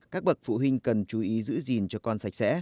các bậc phụ huynh cần chú ý giữ gìn cho con sạch sẽ